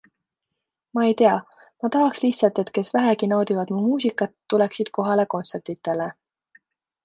Ma ei tea, ma tahaks lihtsalt, et kes vähegi naudivad mu muusikat, tuleksid kohale kontsertidele.